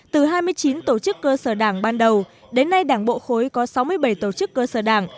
từ hai mươi chín tổ chức cơ sở đảng ban đầu đến nay đảng bộ khối có sáu mươi bảy tổ chức cơ sở đảng